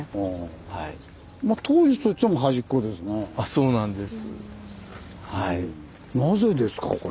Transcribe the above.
そうなんです。